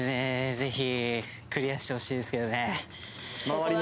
ぜひクリアしてほしいですけどね